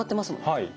はい。